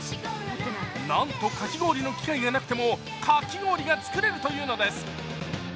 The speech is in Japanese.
なんと、かき氷の機械がなくてもかき氷が作れるというのです。